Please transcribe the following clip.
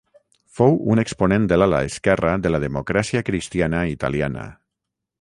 Fou un exponent de l'ala esquerra de la Democràcia Cristiana Italiana.